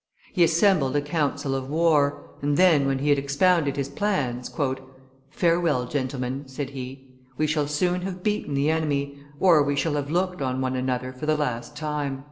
He assembled a council of war, and then, when he had expounded his plans, "Farewell, gentlemen," said be; "we shall soon have beaten the enemy, or we shall have looked on one another for the last time."